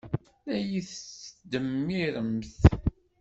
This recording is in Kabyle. La iyi-tettdemmiremt.